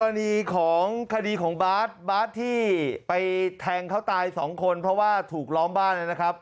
ตอนนี้ของคดีของบาทที่ไปแทงเขาตาย๒คนเพราะว่าถูกล้อมบ้าน